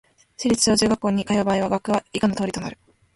市立小・中学校に通う場合、学区は以下の通りとなる